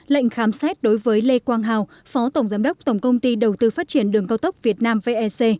lệnh khám xét đối với lê quang hào phó tổng giám đốc tổng công ty đầu tư phát triển đường cao tốc việt nam vec